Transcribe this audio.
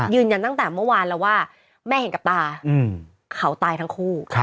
ยืนยันตั้งแต่เมื่อวานแล้วว่าแม่เห็นกับตาเขาตายทั้งคู่